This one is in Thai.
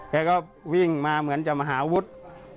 แกก็วิ่งมาเหมือนจะมาหาวุฒิ